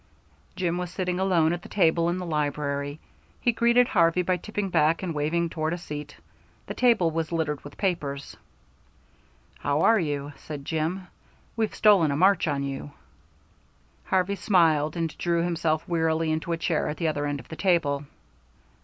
Jim was sitting alone at the table in the library. He greeted Harvey by tipping back and waving toward a seat. The table was littered with papers. "How are you?" said Jim. "We've stolen a march on you." Harvey smiled, and threw himself wearily into a chair at the other end of the table.